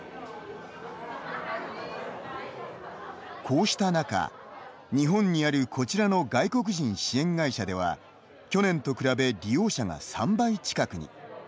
こうした中、日本にあるこちらの外国人支援会社では去年と比べ利用者が３倍近くに。